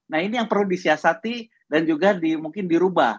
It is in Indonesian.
nah ini yang perlu disiasati dan juga mungkin dirubah